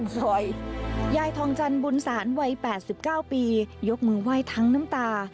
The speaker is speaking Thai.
ยายทองจันบุญศาลวัย๘๙ปียกมือไหว้ทั้งน้ำตา